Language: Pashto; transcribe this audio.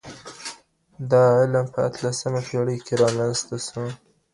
دا علم په اتلسمه پیړۍ کي رامنځته سو.